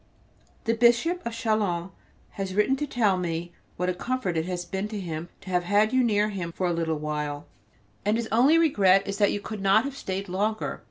The Bishop of Chalons has written to tell me what a comfort it has been to him to have had you near him for a little while, and his only regret is that you could not have stayed longer.